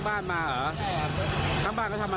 มีความรู้สึกว่าเกิดอะไรขึ้น